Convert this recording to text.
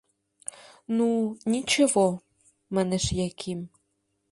— Ну, ничего, — манеш Яким.